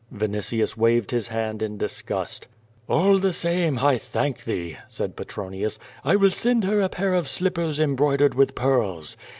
Vinitius waved his hand in disgust. "All the same, I thank thee," said Petronius. "I will send her a pair of slippers embroidered with pearls.